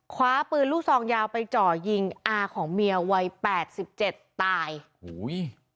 คว้าปืนลูกซองยาวไปจ่อยิงอาของเมียวัยแปดสิบเจ็ดตายอุ้ย